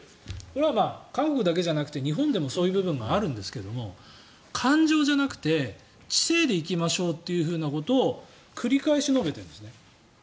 これは韓国だけじゃなくて日本でもそういう部分があるんですけど感情じゃなくて知性で行きましょうということを繰り返し述べているんですね。